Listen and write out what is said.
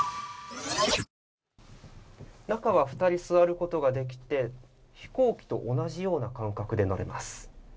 中は２人座ることができて飛行機と同じような感覚で乗れます。